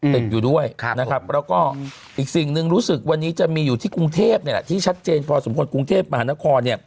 แล้วก็อีกสิ่งนึงรู้สึกวันนี้จะมีอยู่ที่กรุงเทพฯที่ชัดเจนพอสมมุติกรุงเทพฯมหานคร